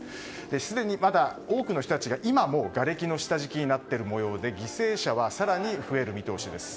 すでに多くの人たちが今もがれきの下敷きになっている模様で犠牲者は更に増える見通しです。